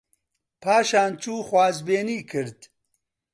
پاشان چوو خوازبێنی کرد